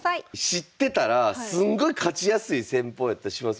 知ってたらすんごい勝ちやすい戦法やったりしますもんね。